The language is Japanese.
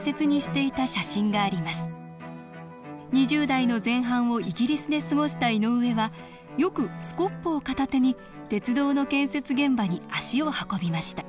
２０代の前半をイギリスで過ごした井上はよくスコップを片手に鉄道の建設現場に足を運びました